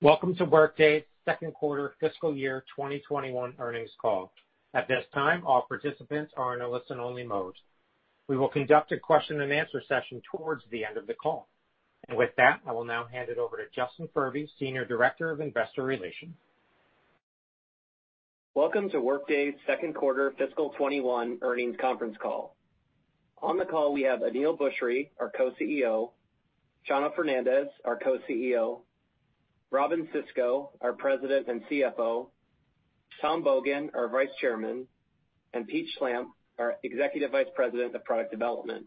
Welcome to Workday's second quarter fiscal year 2021 earnings call. At this time, all participants are in a listen-only mode. We will conduct a question-and-answer session towards the end of the call. With that, I will now hand it over to Justin Furby, Senior Director of Investor Relations. Welcome to Workday's second quarter fiscal 2021 earnings conference call. On the call, we have Aneel Bhusri, our co-CEO, Chano Fernandez, our co-CEO, Robynne Sisco, our President and CFO, Tom Bogan, our Vice Chairman, and Pete Schlampp, our Executive Vice President of Product Development.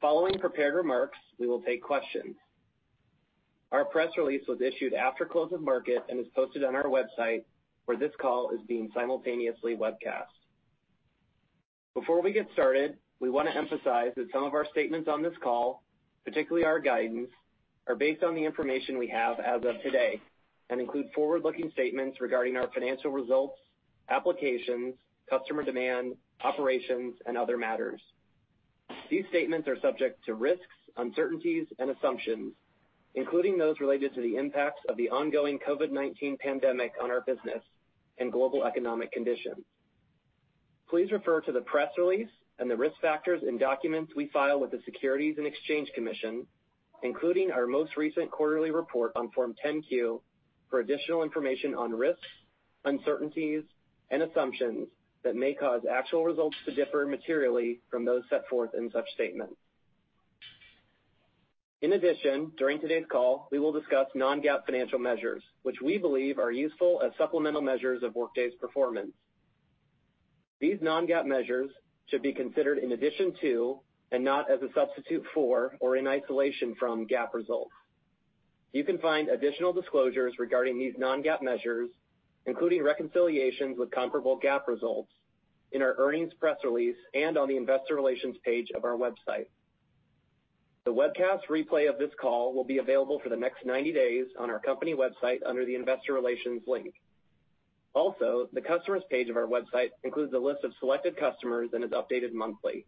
Following prepared remarks, we will take questions. Our press release was issued after close of market and is posted on our website, where this call is being simultaneously webcast. Before we get started, we want to emphasize that some of our statements on this call, particularly our guidance, are based on the information we have as of today and include forward-looking statements regarding our financial results, applications, customer demand, operations, and other matters. These statements are subject to risks, uncertainties, and assumptions, including those related to the impacts of the ongoing COVID-19 pandemic on our business and global economic conditions. Please refer to the press release and the risk factors and documents we file with the Securities and Exchange Commission, including our most recent quarterly report on Form 10-Q, for additional information on risks, uncertainties, and assumptions that may cause actual results to differ materially from those set forth in such statements. In addition, during today's call, we will discuss non-GAAP financial measures, which we believe are useful as supplemental measures of Workday's performance. These non-GAAP measures should be considered in addition to, and not as a substitute for or in isolation from, GAAP results. You can find additional disclosures regarding these non-GAAP measures, including reconciliations with comparable GAAP results, in our earnings press release and on the investor relations page of our website. The webcast replay of this call will be available for the next 90 days on our company website under the investor relations link. Also, the customers page of our website includes a list of selected customers and is updated monthly.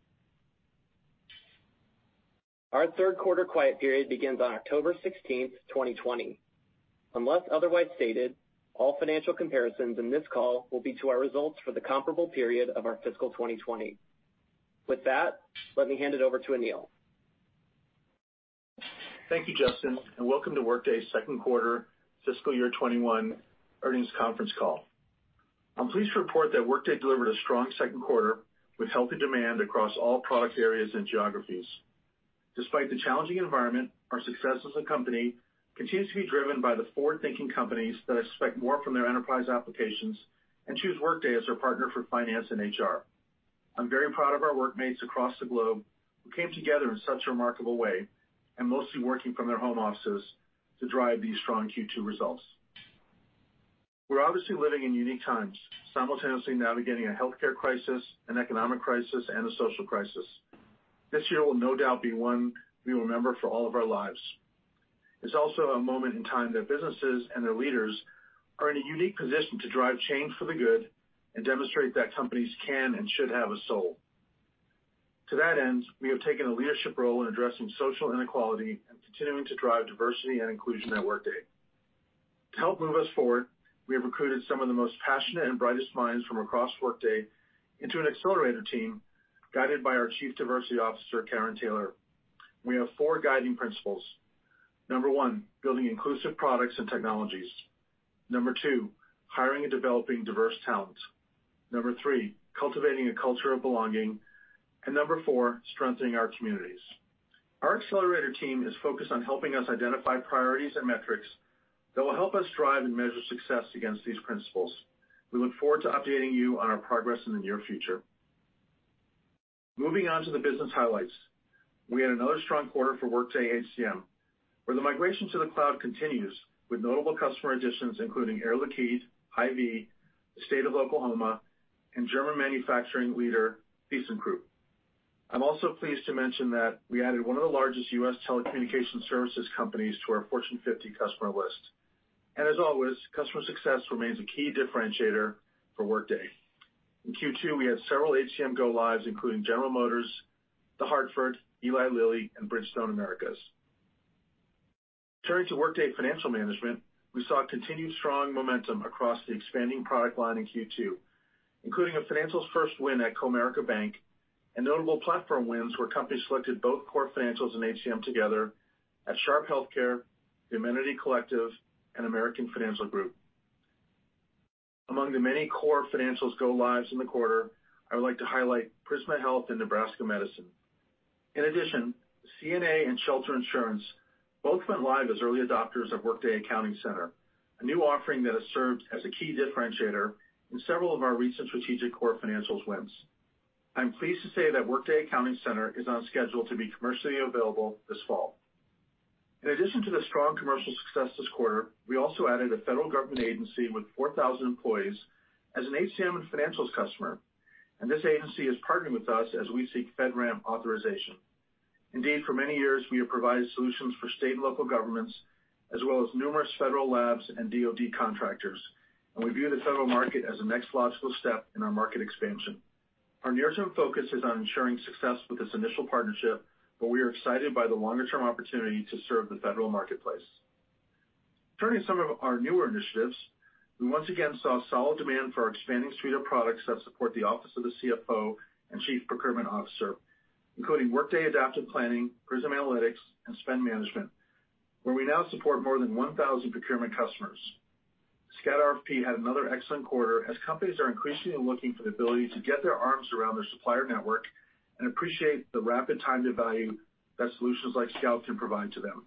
Our third quarter quiet period begins on October 16th, 2020. Unless otherwise stated, all financial comparisons in this call will be to our results for the comparable period of our fiscal 2020. With that, let me hand it over to Aneel. Thank you, Justin, and welcome to Workday's second quarter fiscal year 2021 earnings conference call. I'm pleased to report that Workday delivered a strong second quarter with healthy demand across all product areas and geographies. Despite the challenging environment, our success as a company continues to be driven by the forward-thinking companies that expect more from their enterprise applications and choose Workday as their partner for finance and HR. I'm very proud of our Workmates across the globe who came together in such a remarkable way, and mostly working from their home offices, to drive these strong Q2 results. We're obviously living in unique times, simultaneously navigating a healthcare crisis, an economic crisis, and a social crisis. This year will no doubt be one we will remember for all of our lives. It's also a moment in time that businesses and their leaders are in a unique position to drive change for the good and demonstrate that companies can and should have a soul. To that end, we have taken a leadership role in addressing social inequality and continuing to drive diversity and inclusion at Workday. To help move us forward, we have recruited some of the most passionate and brightest minds from across Workday into an accelerator team, guided by our Chief Diversity Officer, Carin Taylor. We have four guiding principles. Number 1, building inclusive products and technologies. Number 2, hiring and developing diverse talent. Number 3, cultivating a culture of belonging. Number 4, strengthening our communities. Our accelerator team is focused on helping us identify priorities and metrics that will help us drive and measure success against these principles. We look forward to updating you on our progress in the near future. Moving on to the business highlights. We had another strong quarter for Workday HCM, where the migration to the cloud continues with notable customer additions including Air Liquide, Hy-Vee, the State of Oklahoma, and German manufacturing leader, ThyssenKrupp. I am also pleased to mention that we added one of the largest U.S. telecommunication services companies to our Fortune 50 customer list. As always, customer success remains a key differentiator for Workday. In Q2, we had several HCM go-lives, including General Motors, The Hartford, Eli Lilly, and Bridgestone Americas. Turning to Workday Financial Management, we saw continued strong momentum across the expanding product line in Q2, including a financials first win at Comerica Bank and notable platform wins where companies selected both Core Financials and HCM together at Sharp HealthCare, The Amenity Collective, and American Financial Group. Among the many Core Financials go-lives in the quarter, I would like to highlight Prisma Health and Nebraska Medicine. In addition, CNA and Shelter Insurance both went live as early adopters of Workday Accounting Center, a new offering that has served as a key differentiator in several of our recent strategic Core Financials wins. I'm pleased to say that Workday Accounting Center is on schedule to be commercially available this fall. In addition to the strong commercial success this quarter, we also added a federal government agency with 4,000 employees as an HCM and financials customer, and this agency is partnering with us as we seek FedRAMP authorization. Indeed, for many years, we have provided solutions for state and local governments, as well as numerous federal labs and DoD contractors, and we view the federal market as the next logical step in our market expansion. Our near-term focus is on ensuring success with this initial partnership, but we are excited by the longer-term opportunity to serve the federal marketplace. Turning to some of our newer initiatives, we once again saw solid demand for our expanding suite of products that support the office of the CFO and Chief Procurement Officer, including Workday Adaptive Planning, Prism Analytics, and Spend Management, where we now support more than 1,000 procurement customers. Scout RFP had another excellent quarter as companies are increasingly looking for the ability to get their arms around their supplier network and appreciate the rapid time to value that solutions like Scout can provide to them.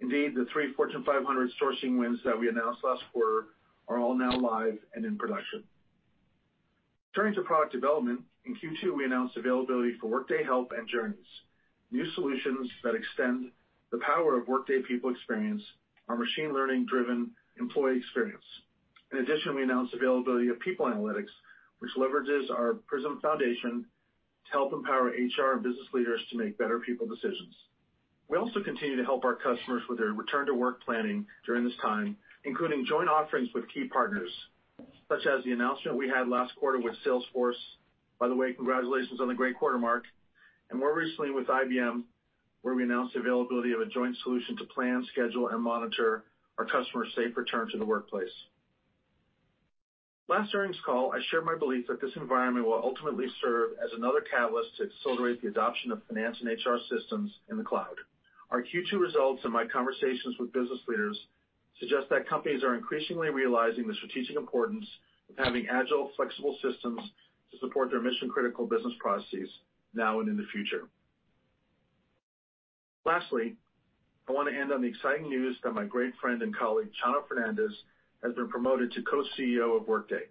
Indeed, the three Fortune 500 sourcing wins that we announced last quarter are all now live and in production. Turning to product development, in Q2, we announced availability for Workday Help and Journeys, new solutions that extend the power of Workday People Experience, our machine learning-driven employee experience. We announced availability of People Analytics, which leverages our Prism foundation to help empower HR and business leaders to make better people decisions. We also continue to help our customers with their return to work planning during this time, including joint offerings with key partners, such as the announcement we had last quarter with Salesforce. By the way, congratulations on the great quarter, Mark. More recently with IBM, where we announced the availability of a joint solution to plan, schedule, and monitor our customers' safe return to the workplace. Last earnings call, I shared my belief that this environment will ultimately serve as another catalyst to accelerate the adoption of finance and HR systems in the cloud. Our Q2 results and my conversations with business leaders suggest that companies are increasingly realizing the strategic importance of having agile, flexible systems to support their mission-critical business processes now and in the future. Lastly, I want to end on the exciting news that my great friend and colleague, Chano Fernandez, has been promoted to co-CEO of Workday.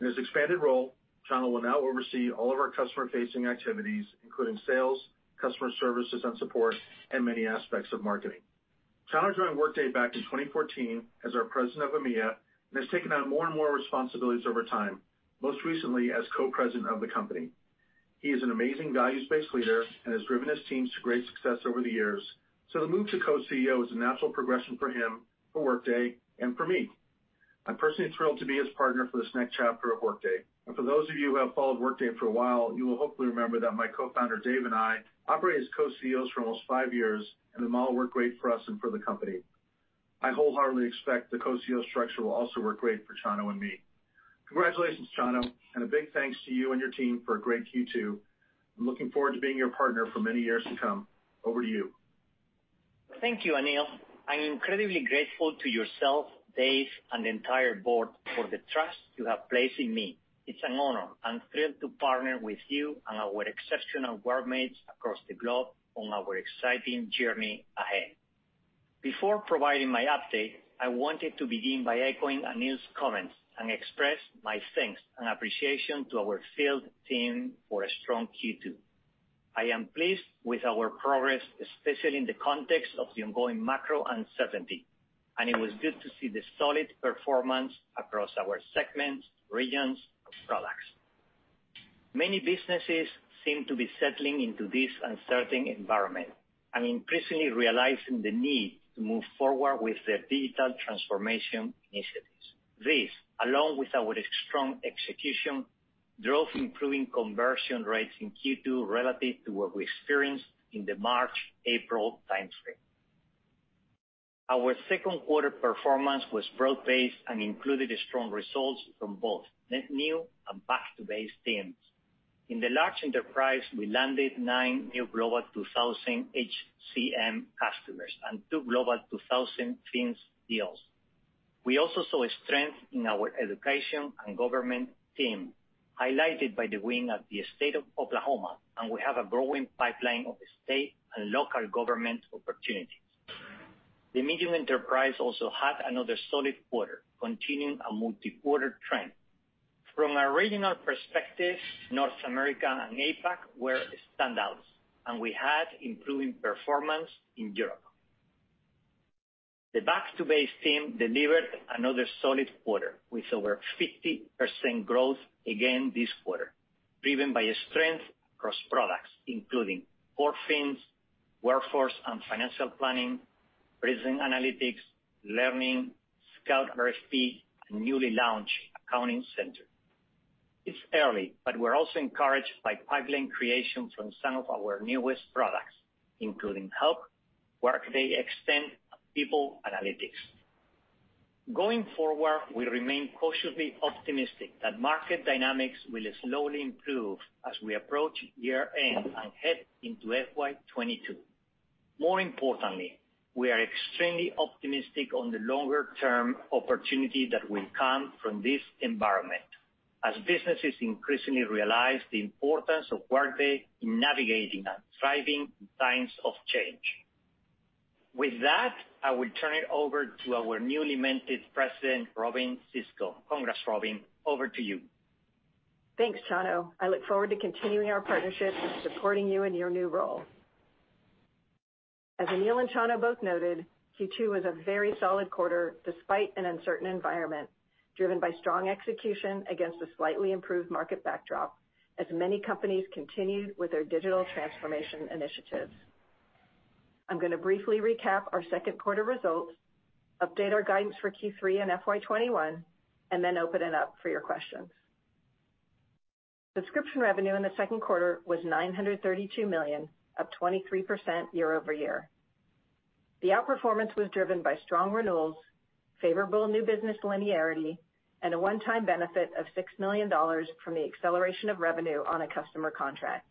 In his expanded role, Chano will now oversee all of our customer-facing activities, including sales, customer services, and support, and many aspects of marketing. Chano joined Workday back in 2014 as our president of EMEA and has taken on more and more responsibilities over time, most recently as co-president of the company. He is an amazing values-based leader and has driven his teams to great success over the years. The move to co-CEO is a natural progression for him, for Workday, and for me. I'm personally thrilled to be his partner for this next chapter of Workday. For those of you who have followed Workday for a while, you will hopefully remember that my co-founder, Dave and I, operated as co-CEOs for almost five years, and the model worked great for us and for the company. I wholeheartedly expect the co-CEO structure will also work great for Chano and me. Congratulations, Chano, and a big thanks to you and your team for a great Q2. I'm looking forward to being your partner for many years to come. Over to you. Thank you, Aneel. I'm incredibly grateful to yourself, Dave, and the entire board for the trust you have placed in me. It's an honor. I'm thrilled to partner with you and our exceptional Workmates across the globe on our exciting journey ahead. Before providing my update, I wanted to begin by echoing Aneel's comments and express my thanks and appreciation to our field team for a strong Q2. I am pleased with our progress, especially in the context of the ongoing macro uncertainty, and it was good to see the solid performance across our segments, regions, and products. Many businesses seem to be settling into this uncertain environment and increasingly realizing the need to move forward with their digital transformation initiatives. This, along with our strong execution, drove improving conversion rates in Q2 relative to what we experienced in the March, April timeframe. Our second quarter performance was broad-based and included strong results from both net new and back to base teams. In the large enterprise, we landed nine new Forbes Global 2000 HCM customers and two Forbes Global 2000 Fins deals. We also saw strength in our education and government team, highlighted by the win of the State of Oklahoma, and we have a growing pipeline of state and local government opportunities. The medium enterprise also had another solid quarter, continuing a multi-quarter trend. From a regional perspective, North America and APAC were standouts, and we had improving performance in Europe. The back to base team delivered another solid quarter with over 50% growth again this quarter, driven by strength across products including Core Financials, Workforce and Financial Planning, Workday Prism Analytics, Workday Learning, Scout RFP, and newly launched Workday Accounting Center. It's early, we're also encouraged by pipeline creation from some of our newest products, including Help, Workday Extend, and People Analytics. Going forward, we remain cautiously optimistic that market dynamics will slowly improve as we approach year-end and head into FY 2022. More importantly, we are extremely optimistic on the longer-term opportunity that will come from this environment as businesses increasingly realize the importance of Workday in navigating and thriving in times of change. With that, I will turn it over to our newly minted President, Robynne Sisco. Congrats, Robynne, over to you. Thanks, Chano. I look forward to continuing our partnership and supporting you in your new role. As Aneel and Chano both noted, Q2 was a very solid quarter despite an uncertain environment, driven by strong execution against a slightly improved market backdrop as many companies continued with their digital transformation initiatives. I'm going to briefly recap our second quarter results, update our guidance for Q3 and FY 2021, then open it up for your questions. Subscription revenue in the second quarter was $932 million, up 23% year-over-year. The outperformance was driven by strong renewals, favorable new business linearity, and a one-time benefit of $6 million from the acceleration of revenue on a customer contract.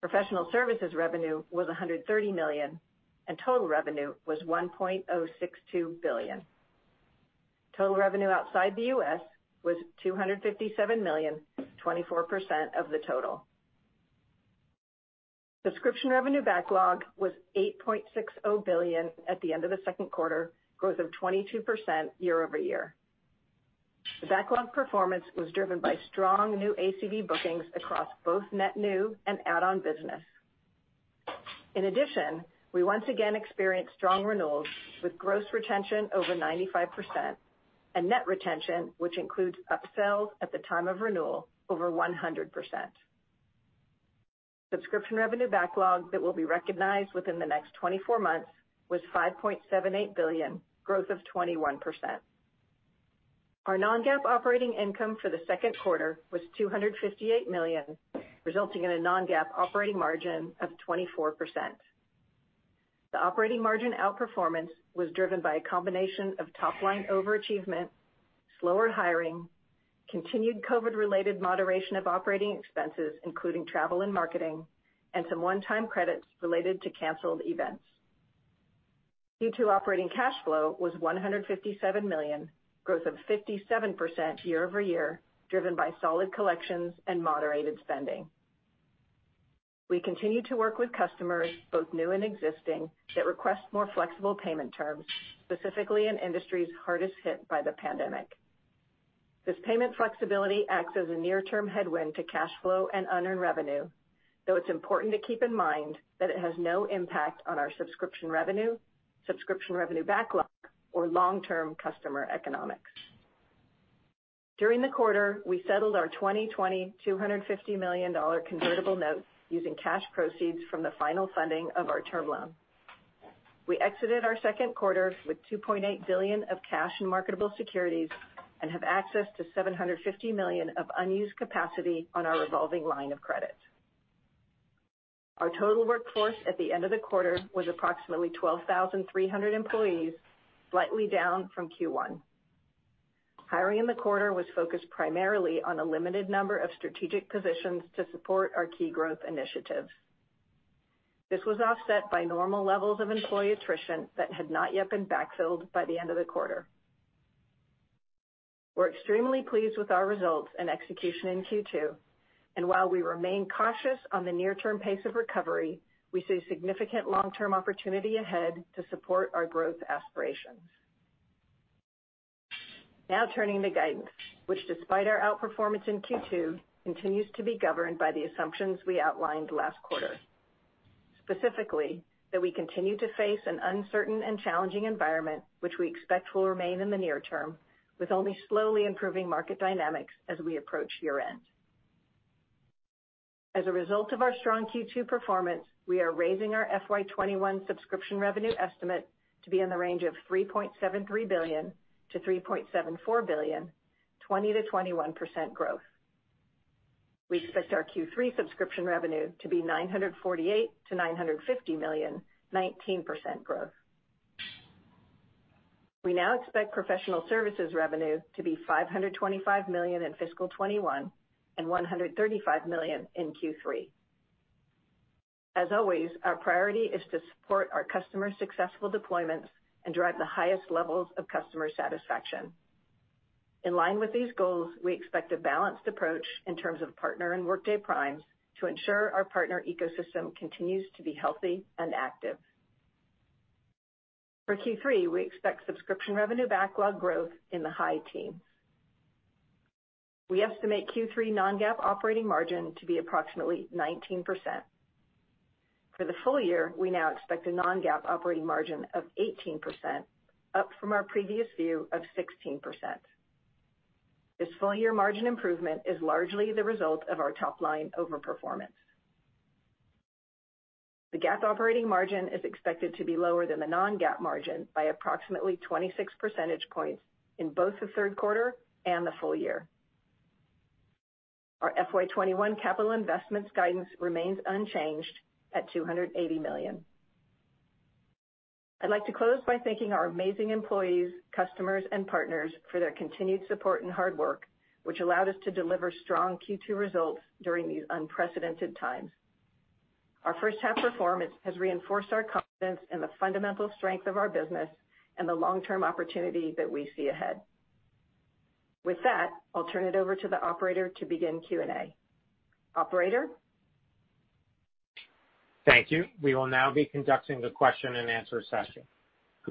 Professional services revenue was $130 million, and total revenue was $1.062 billion. Total revenue outside the U.S. was $257 million, 24% of the total. Subscription revenue backlog was $8.60 billion at the end of the second quarter, growth of 22% year-over-year. The backlog performance was driven by strong new ACV bookings across both net new and add-on business. In addition, we once again experienced strong renewals with gross retention over 95% and net retention, which includes upsells at the time of renewal, over 100%. Subscription revenue backlog that will be recognized within the next 24 months was $5.78 billion, growth of 21%. Our non-GAAP operating income for the second quarter was $258 million, resulting in a non-GAAP operating margin of 24%. The operating margin outperformance was driven by a combination of top-line overachievement, slower hiring, continued COVID-related moderation of operating expenses, including travel and marketing, and some one-time credits related to canceled events. Q2 operating cash flow was $157 million, growth of 57% year-over-year, driven by solid collections and moderated spending. We continue to work with customers, both new and existing, that request more flexible payment terms, specifically in industries hardest hit by the pandemic. This payment flexibility acts as a near-term headwind to cash flow and unearned revenue, though it's important to keep in mind that it has no impact on our subscription revenue, subscription revenue backlog, or long-term customer economics. During the quarter, we settled our 2020 $250 million convertible note using cash proceeds from the final funding of our term loan. We exited our second quarter with $2.8 billion of cash and marketable securities and have access to $750 million of unused capacity on our revolving line of credit. Our total workforce at the end of the quarter was approximately 12,300 employees, slightly down from Q1. Hiring in the quarter was focused primarily on a limited number of strategic positions to support our key growth initiatives. This was offset by normal levels of employee attrition that had not yet been backfilled by the end of the quarter. We're extremely pleased with our results and execution in Q2, and while we remain cautious on the near-term pace of recovery, we see significant long-term opportunity ahead to support our growth aspirations. Turning to guidance, which despite our outperformance in Q2, continues to be governed by the assumptions we outlined last quarter. Specifically, that we continue to face an uncertain and challenging environment, which we expect will remain in the near term, with only slowly improving market dynamics as we approach year-end. As a result of our strong Q2 performance, we are raising our FY 2021 subscription revenue estimate to be in the range of $3.73 billion-$3.74 billion, 20%-21% growth. We expect our Q3 subscription revenue to be $948 million-$950 million, 19% growth. We now expect professional services revenue to be $525 million in fiscal 2021 and $135 million in Q3. As always, our priority is to support our customers' successful deployments and drive the highest levels of customer satisfaction. In line with these goals, we expect a balanced approach in terms of partner and Workday primes to ensure our partner ecosystem continues to be healthy and active. For Q3, we expect subscription revenue backlog growth in the high teens. We estimate Q3 non-GAAP operating margin to be approximately 19%. For the full year, we now expect a non-GAAP operating margin of 18%, up from our previous view of 16%. This full-year margin improvement is largely the result of our top-line overperformance. The GAAP operating margin is expected to be lower than the non-GAAP margin by approximately 26 percentage points in both the third quarter and the full year. Our FY 2021 capital investments guidance remains unchanged at $280 million. I'd like to close by thanking our amazing employees, customers, and partners for their continued support and hard work, which allowed us to deliver strong Q2 results during these unprecedented times. Our first half performance has reinforced our confidence in the fundamental strength of our business and the long-term opportunity that we see ahead. With that, I'll turn it over to the operator to begin Q&A. Operator? Thank you! We will now be conducting the question and answer session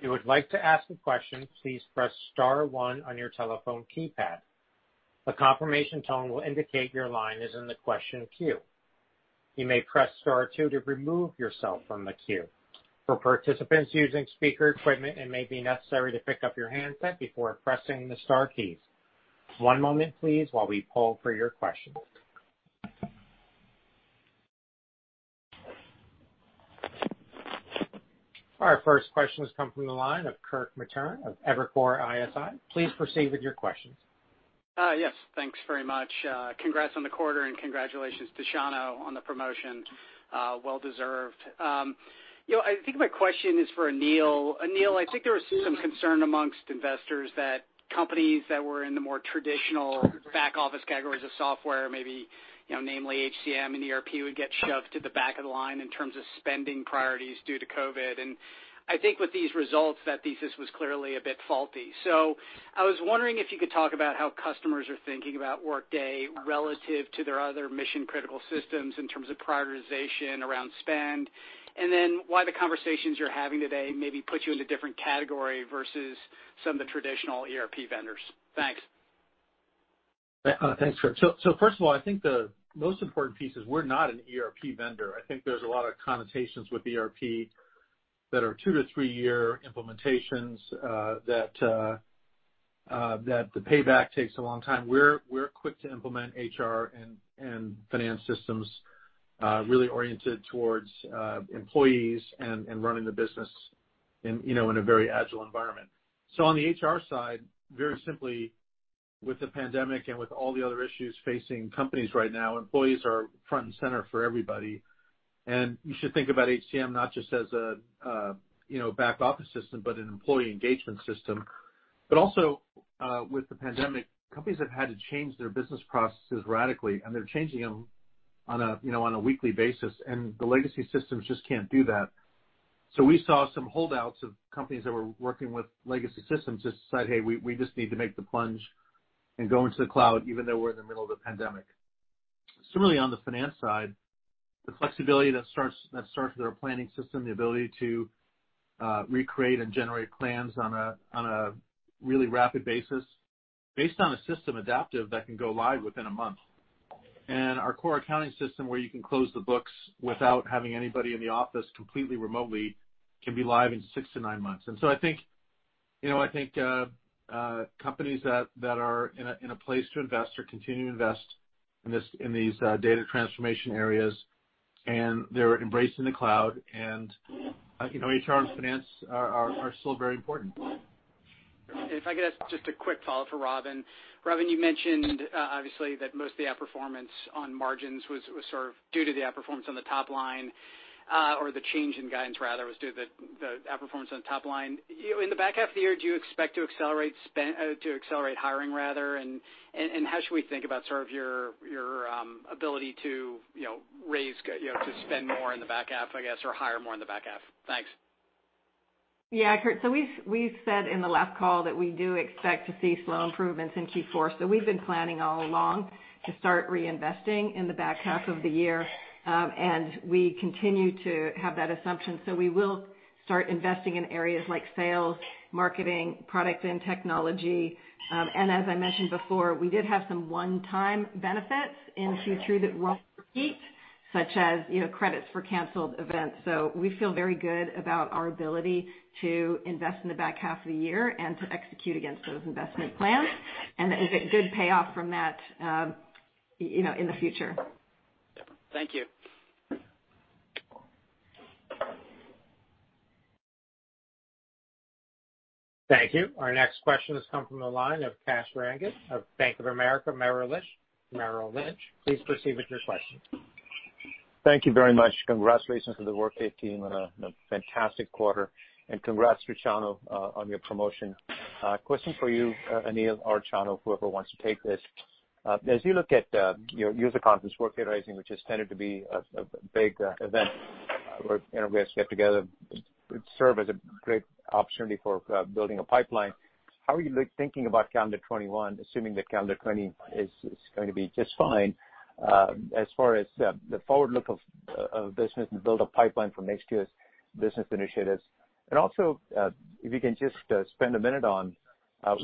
you would like to ask a question. Please press star one on your telephone keypad. A confirmation tone will indicate your line is in the question queue. You may press star two. To remove yourself from the queue for participants using speaker segment. It may be necessary to pick up your hand before pressing the star keys. One moment, please, while we poll for your question. Our first question comes from the line of Kirk Materne of Evercore ISI. Yes, thanks very much. Congrats on the quarter and congratulations to Chano on the promotion. Well deserved. I think my question is for Aneel. Aneel, I think there was some concern amongst investors that companies that were in the more traditional back office categories of software, maybe namely HCM and ERP, would get shoved to the back of the line in terms of spending priorities due to COVID. I think with these results, that thesis was clearly a bit faulty. I was wondering if you could talk about how customers are thinking about Workday relative to their other mission-critical systems in terms of prioritization around spend, and then why the conversations you're having today maybe put you in a different category versus some of the traditional ERP vendors. Thanks. Thanks, Kirk. First of all, I think the most important piece is we're not an ERP vendor. I think there's a lot of connotations with ERP that are two to three-year implementations, that the payback takes a long time. We're quick to implement HR and finance systems, really oriented towards employees and running the business in a very agile environment. On the HR side, very simply, with the pandemic and with all the other issues facing companies right now, employees are front and center for everybody. You should think about HCM not just as a back office system, but an employee engagement system. Also, with the pandemic, companies have had to change their business processes radically, and they're changing them on a weekly basis, and the legacy systems just can't do that. We saw some holdouts of companies that were working with legacy systems just decide, hey, we just need to make the plunge and go into the cloud, even though we're in the middle of a pandemic. Similarly, on the Finance side, the flexibility that starts with our planning system, the ability to recreate and generate plans on a really rapid basis based on Workday Adaptive Planning that can go live within a month. Our core accounting system, where you can close the books without having anybody in the office completely remotely, can be live in six to nine months. I think companies that are in a place to invest are continuing to invest in these data transformation areas, and they're embracing the cloud. HR and Finance are still very important. If I could ask just a quick follow-up for Robynne. Robynne, you mentioned, obviously, that most of the outperformance on margins was sort of due to the outperformance on the top line, or the change in guidance rather was due to the outperformance on the top line. In the back half of the year, do you expect to accelerate hiring, and how should we think about your ability to spend more in the back half, I guess, or hire more in the back half? Thanks. Yeah, Kirk. We've said in the last call that we do expect to see slow improvements in Q4. We've been planning all along to start reinvesting in the back half of the year. We continue to have that assumption. We will start investing in areas like sales, marketing, product, and technology. As I mentioned before, we did have some one-time benefits in Q2 that won't repeat, such as credits for canceled events. We feel very good about our ability to invest in the back half of the year and to execute against those investment plans and get good payoff from that in the future. Thank you. Thank you. Our next question has come from the line of Kash Rangan of Bank of America Merrill Lynch. Please proceed with your question. Thank you very much. Congratulations to the Workday team on a fantastic quarter, and congrats to Chano on your promotion. Question for you, Aneel or Chano, whoever wants to take this. As you look at your user conference, Workday Rising, which has tended to be a big event where everybody has to get together, serve as a great opportunity for building a pipeline. How are you thinking about calendar 2021, assuming that calendar 2020 is going to be just fine as far as the forward look of business, and build a pipeline for next year's business initiatives? Also, if you can just spend a minute on,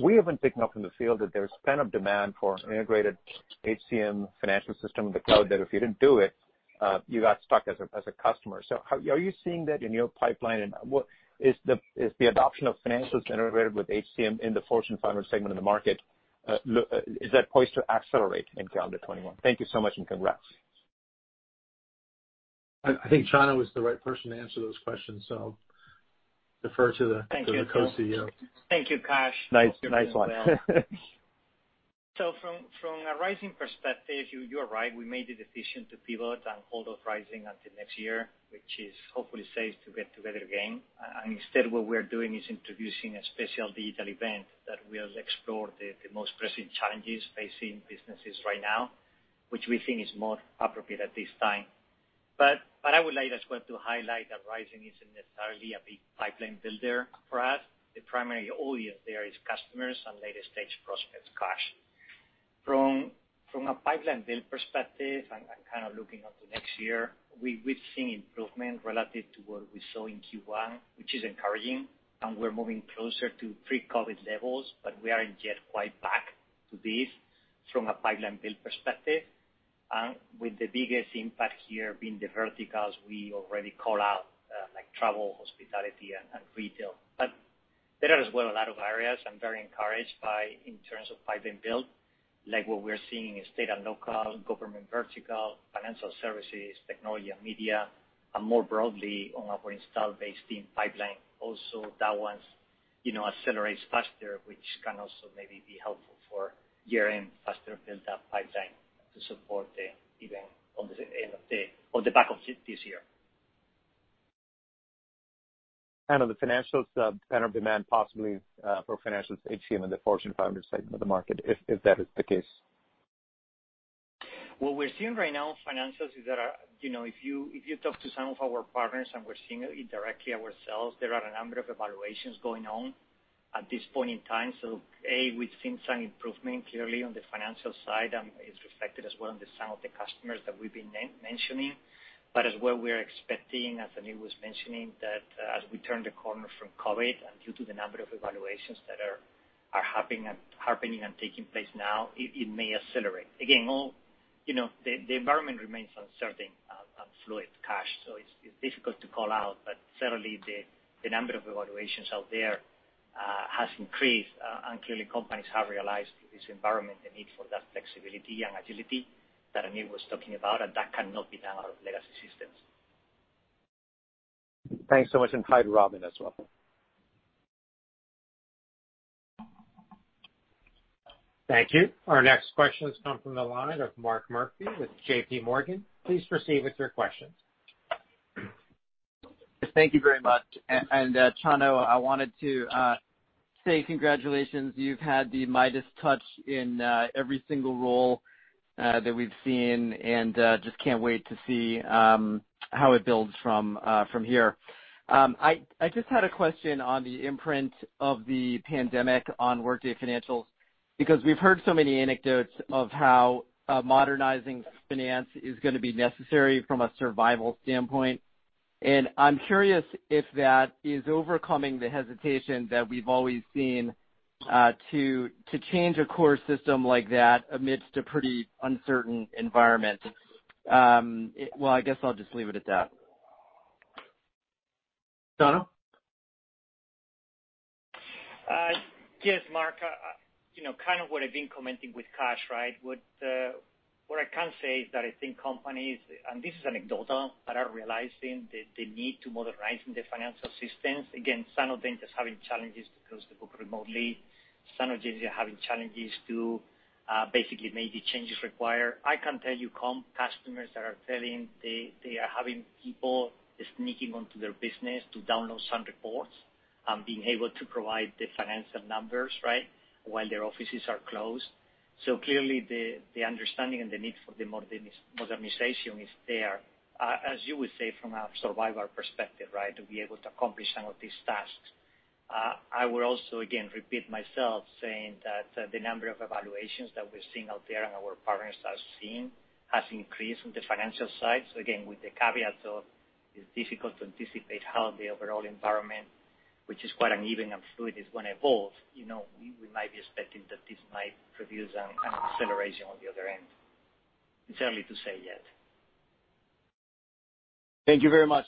we have been picking up in the field that there's pent-up demand for integrated HCM financial system in the cloud, that if you didn't do it, you got stuck as a customer. Are you seeing that in your pipeline? Is the adoption of financials integrated with HCM in the Fortune 500 segment of the market, is that poised to accelerate in calendar 2021? Thank you so much and congrats. I think Chano is the right person to answer those questions, so I defer to the co-CEO. Thank you, Kash. Nice one. From a Rising perspective, you are right. We made the decision to pivot and hold off Rising until next year, which is hopefully safe to get together again. Instead, what we're doing is introducing a special digital event that will explore the most pressing challenges facing businesses right now, which we think is more appropriate at this time. I would like as well to highlight that Rising isn't necessarily a big pipeline builder for us. The primary audience there is customers and later-stage prospects, Kash. From a pipeline build perspective and kind of looking up to next year, we've seen improvement relative to what we saw in Q1, which is encouraging, and we're moving closer to pre-COVID levels. We aren't yet quite back to base from a pipeline build perspective. With the biggest impact here being the verticals we already called out, travel, hospitality, and retail. There are as well a lot of areas I'm very encouraged by in terms of pipe and build, like what we're seeing in state and local government vertical, financial services, technology and media, and more broadly on our install base team pipeline also that one accelerates faster, which can also maybe be helpful for year-end, faster build up pipeline to support the event on the back of this year. On the financials, better demand possibly for financials HCM and the Fortune 500 side of the market, if that is the case. What we're seeing right now in financials is that if you talk to some of our partners and we're seeing indirectly ourselves, there are a number of evaluations going on at this point in time. A, we've seen some improvement clearly on the financial side, and it's reflected as well on some of the customers that we've been mentioning. As well, we are expecting, as Aneel was mentioning, that as we turn the corner from COVID and due to the number of evaluations that are happening and taking place now, it may accelerate. Again, the environment remains uncertain and fluid, Kash. It's difficult to call out, but certainly, the number of evaluations out there has increased, and clearly, companies have realized in this environment the need for that flexibility and agility that Aneel was talking about, and that cannot be done on legacy systems. Thanks so much, and hi to Robynne as well. Thank you. Our next question has come from the line of Mark Murphy with JPMorgan. Please proceed with your question. Thank you very much. Chano, I wanted to say congratulations. You've had the Midas touch in every single role that we've seen, and just can't wait to see how it builds from here. I just had a question on the imprint of the pandemic on Workday financials, because we've heard so many anecdotes of how modernizing finance is going to be necessary from a survival standpoint. I'm curious if that is overcoming the hesitation that we've always seen to change a core system like that amidst a pretty uncertain environment. Well, I guess I'll just leave it at that. Chano? Yes, Mark. Kind of what I've been commenting with Kash, right? What I can say is that I think companies, and this is anecdotal, but are realizing the need to modernize their financial systems. Again, some of them just having challenges because they work remotely. Some of them they're having challenges to basically make the changes required. I can tell you customers that are telling they are having people sneaking onto their business to download some reports and being able to provide the financial numbers, right, while their offices are closed. Clearly, the understanding and the need for modernization is there, as you would say, from a survival perspective, right, to be able to accomplish some of these tasks. I would also again repeat myself, saying that the number of evaluations that we're seeing out there and our partners are seeing has increased on the financial side. Again, with the caveat of it's difficult to anticipate how the overall environment, which is quite uneven and fluid, is going to evolve. We might be expecting that this might produce an acceleration on the other end. It's early to say yet. Thank you very much.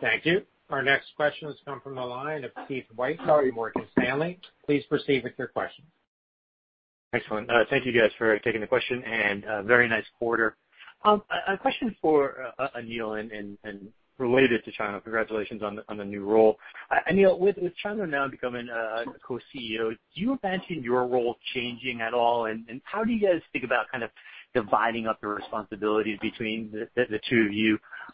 Thank you. Our next question has come from the line of Keith Weiss, Morgan Stanley. Please proceed with your question. Excellent. Thank you, guys, for taking the question, and very nice quarter. A question for Aneel, and related to Chano, congratulations on the new role. Aneel, with Chano now becoming co-CEO, do you imagine your role changing at all, and how do you guys think about kind of dividing up the responsibilities between the two of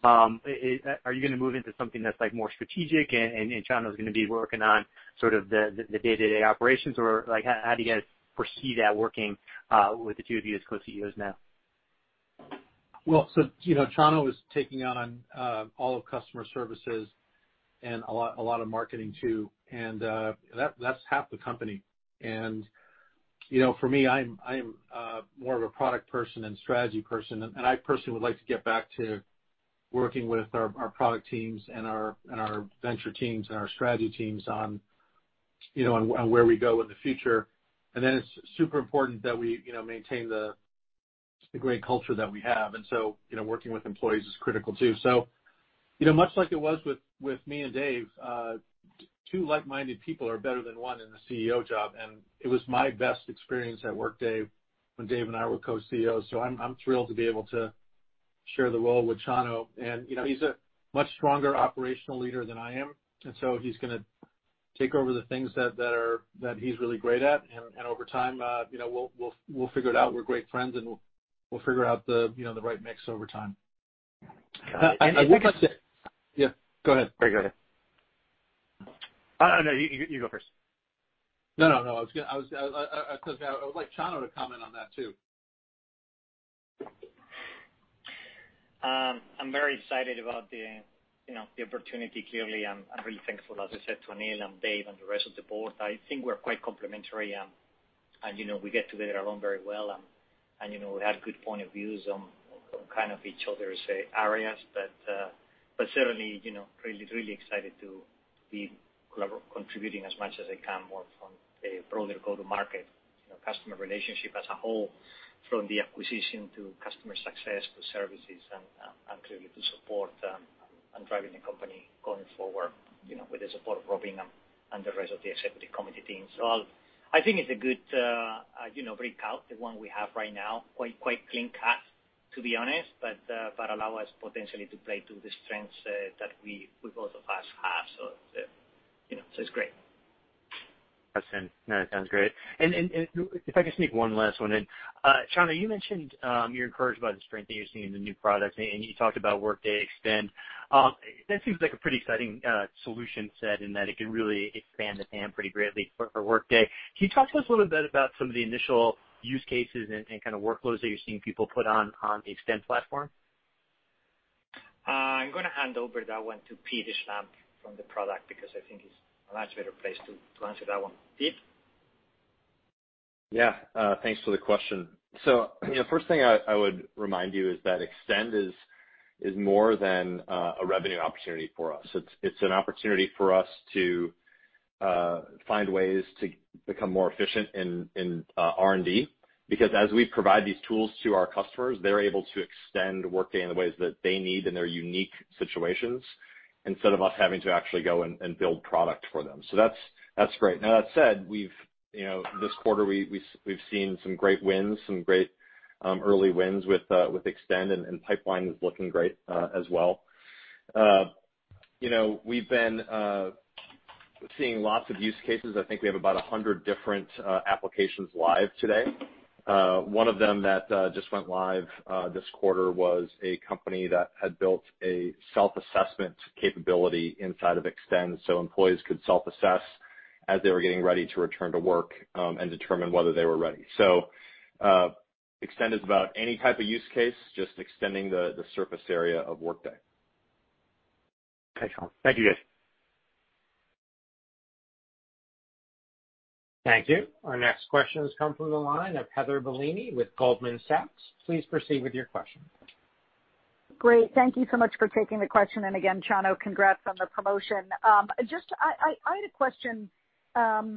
you? Are you going to move into something that's more strategic, and Chano's going to be working on sort of the day-to-day operations, or how do you guys foresee that working with the two of you as co-CEOs now? Chano is taking on all of customer services and a lot of marketing, too, and that's half the company. For me, I'm more of a product person and strategy person, and I personally would like to get back to working with our product teams and our venture teams and our strategy teams on where we go in the future. Then it's super important that we maintain the great culture that we have, and so working with employees is critical, too. Much like it was with me and Dave, two like-minded people are better than one in the CEO job, and it was my best experience at Workday when Dave and I were co-CEOs. I'm thrilled to be able to share the role with Chano. He's a much stronger operational leader than I am, and so he's going to take over the things that he's really great at. Over time, we'll figure it out. We're great friends, and we'll figure out the right mix over time. I think Yeah, go ahead. Sorry, go ahead. No, you go first. No, because I would like Chano to comment on that, too. I'm very excited about the opportunity. Clearly, I'm really thankful, as I said, to Aneel and Dave and the rest of the board. I think we're quite complementary, and we get together along very well, and we have good point of views on kind of each other's areas. Certainly, really excited to be contributing as much as I can more from a broader go-to-market customer relationship as a whole, from the acquisition to customer success to services and clearly to support and driving the company going forward, with the support of Robynne and the rest of the executive committee team. I think it's a good breakout, the one we have right now, quite clean cut, to be honest, but allow us potentially to play to the strengths that we both of us have. It's great. Awesome. No, that sounds great. If I could sneak one last one in. Chano, you mentioned, you're encouraged by the strength that you're seeing in the new products, and you talked about Workday Extend. That seems like a pretty exciting solution set in that it could really expand the TAM pretty greatly for Workday. Can you talk to us a little bit about some of the initial use cases and kind of workloads that you're seeing people put on the Extend platform? I'm going to hand over that one to Pete Schlampp from the product because I think he's a much better place to answer that one. Pete? Yeah. Thanks for the question. First thing I would remind you is that Extend is more than a revenue opportunity for us. It's an opportunity for us to find ways to become more efficient in R&D, because as we provide these tools to our customers, they're able to extend Workday in the ways that they need in their unique situations, instead of us having to actually go and build product for them. That's great. That said, this quarter, we've seen some great wins, some great early wins with Extend, and pipeline is looking great as well. We've been seeing lots of use cases. I think we have about 100 different applications live today. One of them that just went live this quarter was a company that had built a self-assessment capability inside of Extend, so employees could self-assess as they were getting ready to return to work, and determine whether they were ready. Extend is about any type of use case, just extending the surface area of Workday. Okay, Chano. Thank you, guys. Thank you. Our next question has come from the line of Heather Bellini with Goldman Sachs. Please proceed with your question. Great. Thank you so much for taking the question. Again, Chano, congrats on the promotion. I had a question, and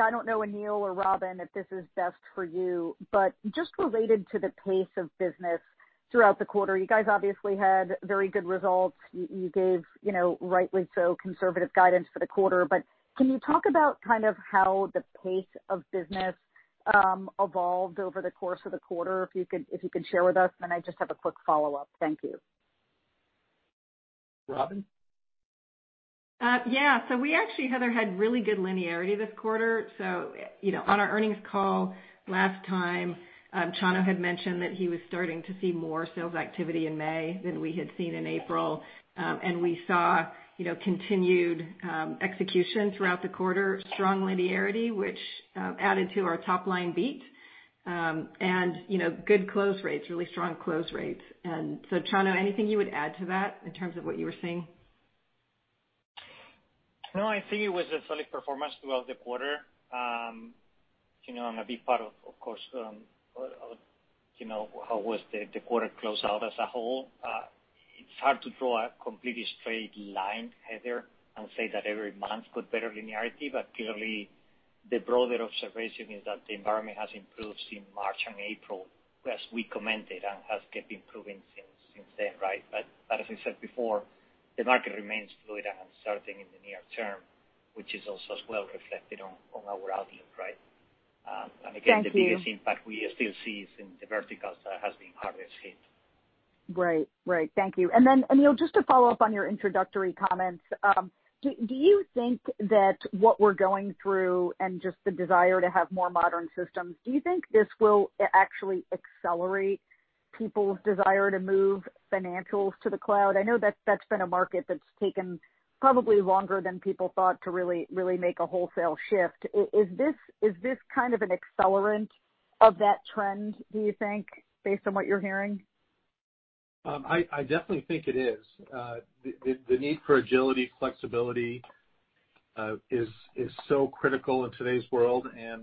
I don't know, Aneel or Robynne if this is best for you, but just related to the pace of business throughout the quarter. You guys obviously had very good results. You gave, rightly so, conservative guidance for the quarter. Can you talk about kind of how the pace of business evolved over the course of the quarter, if you can share with us? I just have a quick follow-up. Thank you. Robynne? Yeah. We actually, Heather, had really good linearity this quarter. On our earnings call last time, Chano had mentioned that he was starting to see more sales activity in May than we had seen in April. We saw continued execution throughout the quarter, strong linearity, which added to our top-line beat. Good close rates, really strong close rates. Chano, anything you would add to that in terms of what you were seeing? No, I think it was a solid performance throughout the quarter. A big part, of course, how was the quarter closeout as a whole. It's hard to draw a completely straight line, Heather, and say that every month got better linearity, but clearly the broader observation is that the environment has improved since March and April, as we commented, and has kept improving since then, right? As we said before, the market remains fluid and uncertain in the near term, which is also well reflected on our outlook. Right? Thank you. The biggest impact we still see is in the verticals that has been hardest hit. Great. Thank you. Then, Aneel, just to follow up on your introductory comments. Do you think that what we're going through and just the desire to have more modern systems, do you think this will actually accelerate people's desire to move financials to the cloud? I know that's been a market that's taken probably longer than people thought to really make a wholesale shift. Is this kind of an accelerant of that trend, do you think, based on what you're hearing? I definitely think it is. The need for agility, flexibility is so critical in today's world, and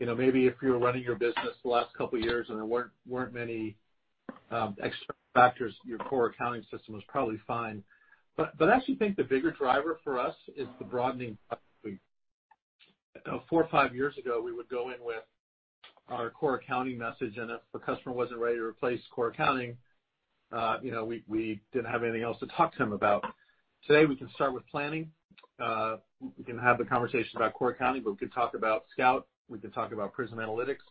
maybe if you were running your business the last couple of years and there weren't many external factors, your core accounting system was probably fine. I actually think the bigger driver for us is the broadening of four or five years ago, we would go in with our Core Accounting message, and if a customer wasn't ready to replace Core Accounting, we didn't have anything else to talk to him about. Today, we can start with Planning. We can have the conversation about Core Accounting, but we can talk about Scout, we can talk about Prism Analytics.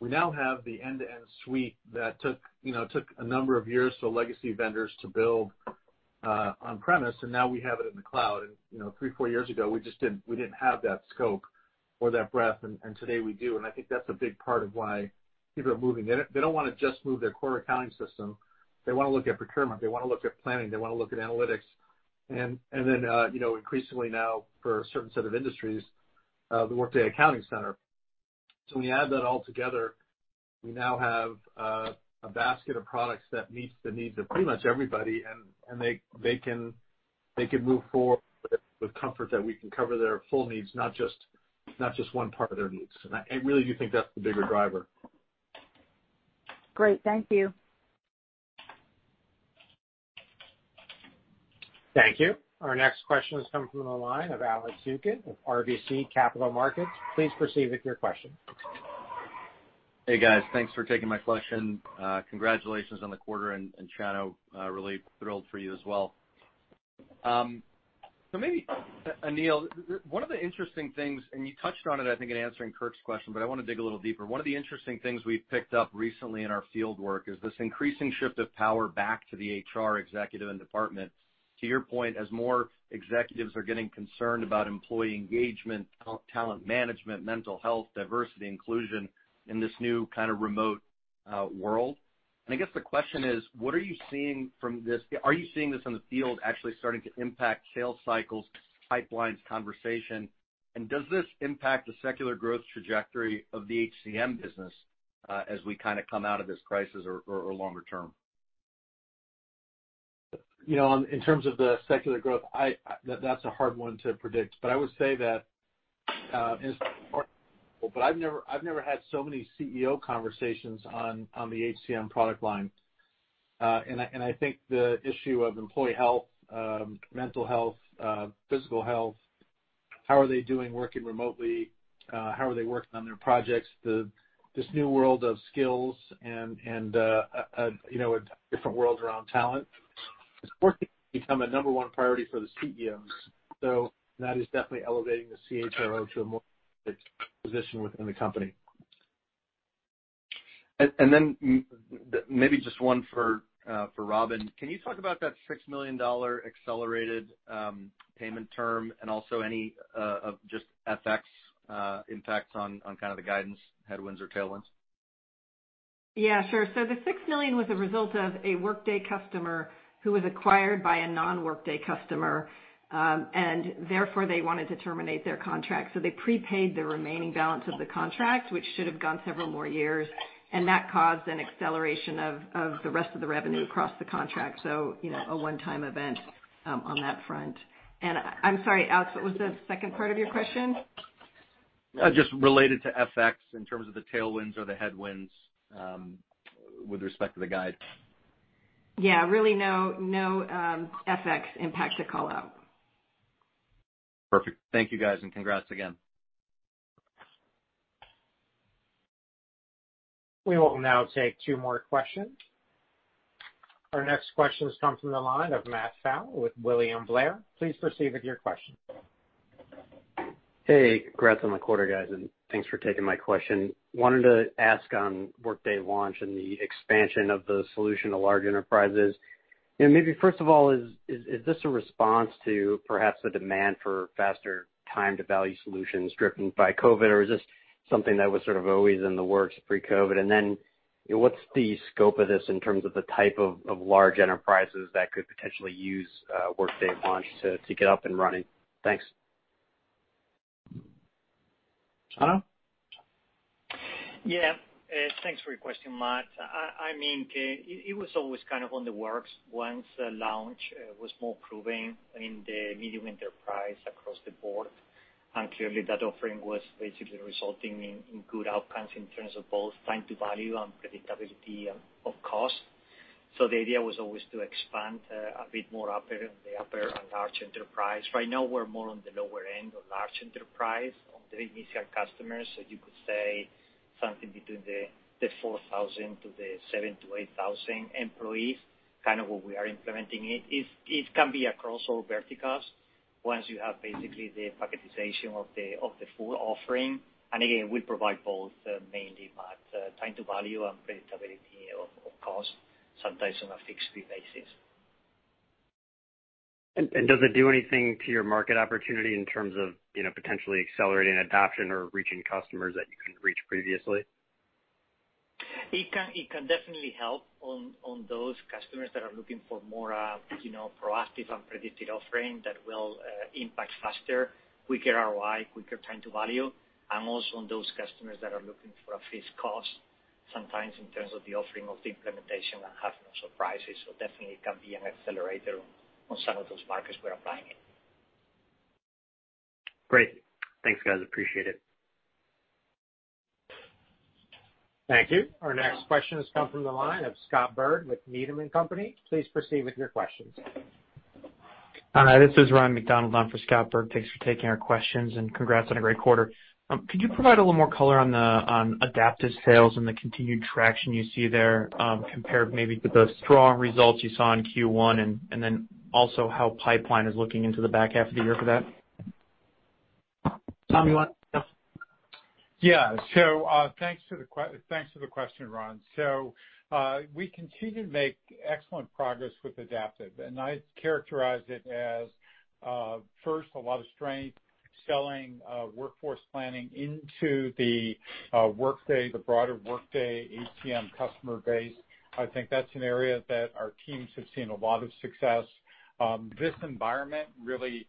We now have the end-to-end suite that took a number of years for legacy vendors to build on-premise, and now we have it in the cloud. Three to four years ago, we didn't have that scope or that breadth, and today we do. I think that's a big part of why people are moving. They don't want to just move their core accounting system. They want to look at procurement. They want to look at planning. They want to look at analytics. Then, increasingly now for a certain set of industries, the Workday Accounting Center. When you add that all together, we now have a basket of products that meets the needs of pretty much everybody, and they can move forward with comfort that we can cover their full needs, not just one part of their needs. I really do think that's the bigger driver. Great. Thank you. Thank you. Our next question is coming from the line of Alex Zukin with RBC Capital Markets. Please proceed with your question. Hey, guys. Thanks for taking my question. Congratulations on the quarter, Chano. I'm really thrilled for you as well. Maybe, Aneel, one of the interesting things, and you touched on it, I think, in answering Kirk's question, but I want to dig a little deeper. One of the interesting things we've picked up recently in our fieldwork is this increasing shift of power back to the HR executive and department, to your point, as more executives are getting concerned about employee engagement, talent management, mental health, diversity, inclusion in this new kind of remote world. I guess the question is, are you seeing this in the field actually starting to impact sales cycles, pipelines, conversation? Does this impact the secular growth trajectory of the HCM business as we kind of come out of this crisis or longer term? In terms of secular growth, that's a hard one to predict. I would say that I've never had so many CEO conversations on the HCM product line. I think the issue of employee health, mental health, physical health, how are they doing working remotely, how are they working on their projects, this new world of skills and a different world around talent is working to become a number one priority for the CEOs. That is definitely elevating the CHRO to a more position within the company. Then maybe just one for Robynne. Can you talk about that $6 million accelerated payment term and also any of just FX impacts on kind of the guidance headwinds or tailwinds? Yeah, sure. The $6 million was a result of a Workday customer who was acquired by a non-Workday customer, and therefore they wanted to terminate their contract. They prepaid the remaining balance of the contract, which should have gone several more years, and that caused an acceleration of the rest of the revenue across the contract. A one-time event on that front. I'm sorry, Alex, what was the second part of your question? Just related to FX in terms of the tailwinds or the headwinds with respect to the guide. Yeah. Really no FX impact to call out. Perfect. Thank you, guys, and congrats again. We will now take two more questions. Our next question comes from the line of Matt Pfau with William Blair. Please proceed with your question. Hey, congrats on the quarter, guys, and thanks for taking my question. Wanted to ask on Workday Launch and the expansion of the solution to large enterprises. Maybe first of all, is this a response to perhaps the demand for faster time to value solutions driven by COVID, or is this something that was sort of always in the works pre-COVID? What's the scope of this in terms of the type of large enterprises that could potentially use Workday Launch to get up and running? Thanks. Chano? Yeah. Thanks for your question, Matt. It was always kind of in the works once Launch was more proven in the medium enterprise across the board, and clearly that offering was basically resulting in good outcomes in terms of both time to value and predictability of cost. The idea was always to expand a bit more in the upper and large enterprise. Right now, we're more on the lower end of large enterprise on the initial customers. You could say something between the 4,000 to the 7,000-8,000 employees, kind of where we are implementing it. It can be across all verticals once you have basically the packetization of the full offering. Again, we provide both mainly, Matt, time to value and predictability of cost, sometimes on a fixed fee basis. Does it do anything to your market opportunity in terms of potentially accelerating adoption or reaching customers that you couldn't reach previously? It can definitely help on those customers that are looking for more proactive and predictive offering that will impact faster, quicker ROI, quicker time to value, and also on those customers that are looking for a fixed cost, sometimes in terms of the offering of the implementation and have no surprises. Definitely it can be an accelerator on some of those markets we're applying it. Great. Thanks, guys, appreciate it. Thank you. Our next question has come from the line of Scott Berg with Needham & Company. Please proceed with your questions. Hi, this is Ryan MacDonald on for Scott Berg. Thanks for taking our questions, and congrats on a great quarter. Could you provide a little more color on Adaptive sales and the continued traction you see there, compared maybe to the strong results you saw in Q1, and then also how pipeline is looking into the back half of the year for that? Tom, you want to? Yeah. Thanks for the question, Ryan. We continue to make excellent progress with Adaptive, and I characterize it as, first, a lot of strength selling workforce planning into the broader Workday HCM customer base. I think that's an area that our teams have seen a lot of success. This environment really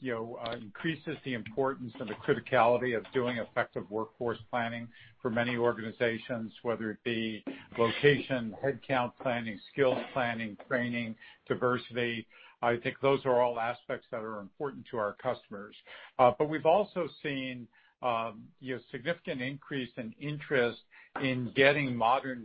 increases the importance and the criticality of doing effective workforce planning for many organizations, whether it be location, headcount planning, skills planning, training, diversity. I think those are all aspects that are important to our customers. We've also seen a significant increase in interest in getting modern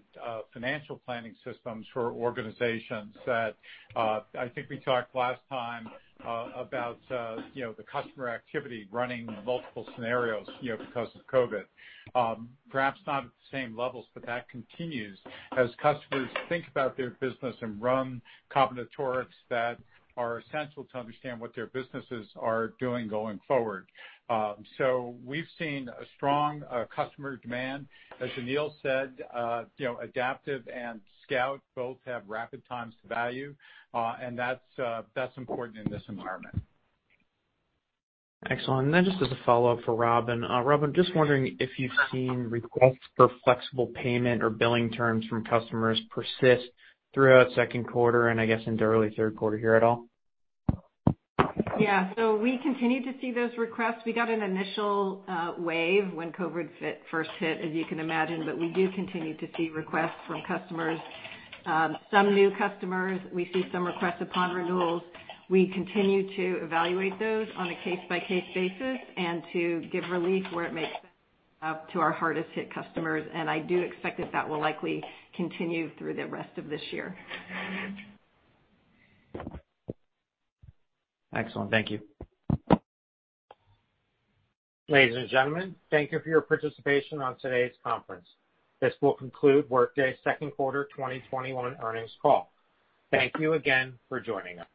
financial planning systems for organizations that, I think we talked last time about the customer activity running multiple scenarios because of COVID. Perhaps not at the same levels, but that continues as customers think about their business and run combinatorics that are essential to understand what their businesses are doing going forward. We've seen a strong customer demand. As Aneel said, Adaptive and Scout both have rapid times to value. That's important in this environment. Excellent. Just as a follow-up for Robyn. Robynne, just wondering if you've seen requests for flexible payment or billing terms from customers persist throughout second quarter and I guess into early third quarter here at all? Yeah. We continue to see those requests. We got an initial wave when COVID first hit, as you can imagine, but we do continue to see requests from customers. Some new customers, we see some requests upon renewals. We continue to evaluate those on a case-by-case basis and to give relief where it makes sense to our hardest hit customers, and I do expect that that will likely continue through the rest of this year. Excellent. Thank you. Ladies and gentlemen, thank you for your participation on today's conference. This will conclude Workday's second quarter 2021 earnings call. Thank you again for joining us.